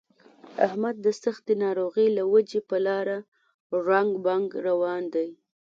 احمد د سختې ناروغۍ له وجې په لاره ړنګ بنګ روان دی.